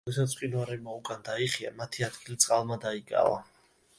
როდესაც მყინვარებმა უკან დაიხია, მათი ადგილი წყალმა დაიკავა.